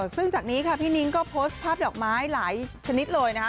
ซึ่งจากนี้ค่ะพี่นิ้งก็โพสต์ภาพดอกไม้หลายชนิดเลยนะคะ